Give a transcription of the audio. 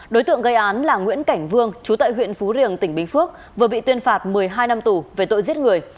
đối tượng gây án là nguyễn cảnh vương chú tại huyện phú riềng tỉnh bình phước vừa bị tuyên phạt một mươi hai năm tù về tội giết người